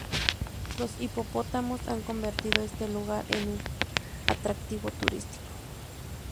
Los hipopótamos han convertido este lugar en un atractivo turístico.